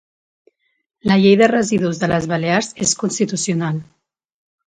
La llei de residus de les balears és constitucional